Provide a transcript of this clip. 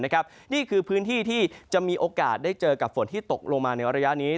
นี่คือพื้นที่ที่จะมีโอกาสได้เจอกับฝนที่ตกลงมาในระยะนี้